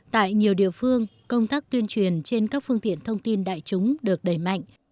tại nhiều địa phương công tác tuyên truyền trên các phương tiện thông tin đại chúng được đẩy mạnh